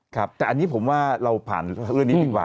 ครับแต่อันนี้ผมว่าเราผ่านเรื่องนี้ดีกว่า